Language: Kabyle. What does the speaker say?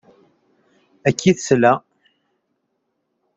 Akka i tesla.